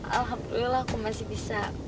alhamdulillah aku masih bisa